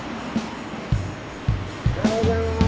おはようございます。